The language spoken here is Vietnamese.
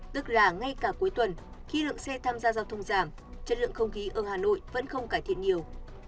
tức là ngay cả cuối tuần khi lượng xe tham gia giao thông giảm chất lượng không khí ở hà nội vẫn không cải thiện nhiều